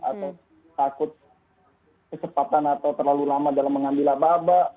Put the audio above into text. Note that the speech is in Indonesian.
atau takut kesepatan atau terlalu lama dalam mengambil abat abat